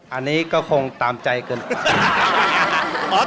อันนี้ก็คงตามใจเกินไป